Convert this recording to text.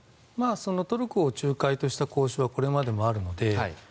トルコを仲介とした交渉はこれまでもあるので。